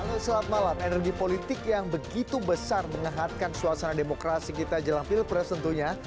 halo selamat malam energi politik yang begitu besar mengehatkan suasana demokrasi kita jelang pilpres tentunya